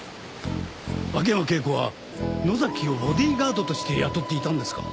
秋山圭子は野崎をボディーガードとして雇っていたんですか？